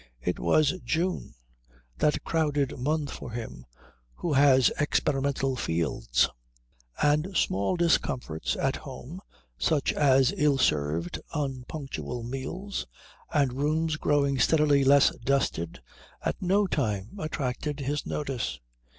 It was June, that crowded month for him who has experimental fields; and small discomforts at home, such as ill served, unpunctual meals and rooms growing steadily less dusted, at no time attracted his notice.